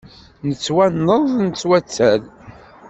Nettwanneḍ nettwattel.